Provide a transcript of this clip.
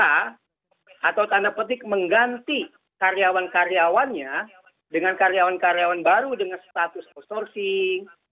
atau tanda petik mengganti karyawan karyawannya dengan karyawan karyawan baru dengan status outsourcing